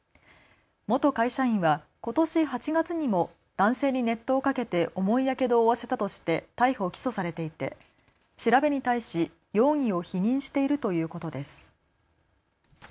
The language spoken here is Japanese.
元会社員はことし８月にも男性に熱湯をかけて重いやけどを負わせたとして逮捕・起訴されていて調べに対し容疑を否認しているということです。